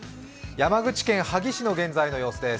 山口県萩市の現在の様子です。